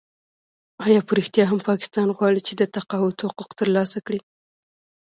آیا په رښتیا هم پاکستان غواړي چې د تقاعد حقوق ترلاسه کړي؟